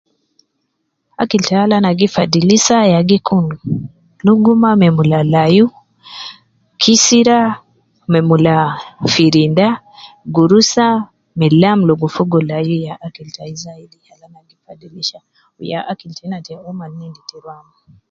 Akil tai alana gifadilisa ya gikun luguma me mula layu, kisira me mula firinda gurusa me lam ligo fogo layu ya akil tai zaid al ana fadilisa ya akil tena ta uma al inendis ta rua mo